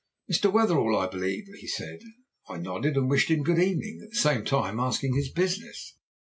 "'Mr. Wetherell, I believe?' he said. I nodded and wished him 'good evening,' at the same time asking his business.